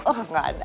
oh gak ada